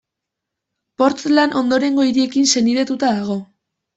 Portland ondorengo hiriekin senidetuta dago.